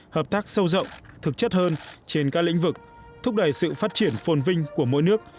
hợp tác sâu rộng thực chất hơn trên các lĩnh vực thúc đẩy sự phát triển phồn vinh của mỗi nước